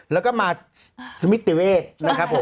แล้วก็มาสมิติเวศนะครับผม